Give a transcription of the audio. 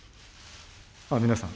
皆さん。